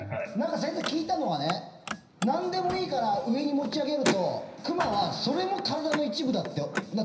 先生、聞いたのはねなんでもいいから上に持ち上げると熊はそれも体の一部だって。